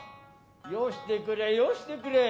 よしてくれよしてくれ。